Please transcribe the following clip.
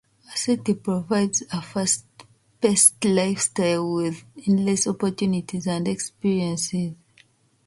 The city provides a fast-paced lifestyle with endless opportunities and experiences.